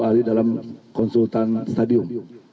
ahli dalam konsultan stadium